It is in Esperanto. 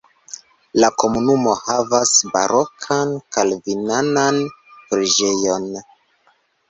La komunumo havas barokan kalvinanan preĝejon.